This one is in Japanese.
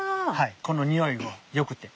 このにおいがよくて。